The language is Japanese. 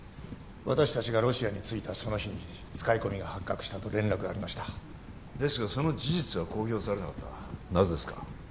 私達がロシアに着いたその日に使い込みが発覚したと連絡がありましたですがその事実は公表されなかったなぜですか？